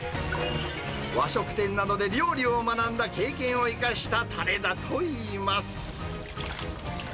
和食店などで料理を学んだ経験を生かしたたれだといいます。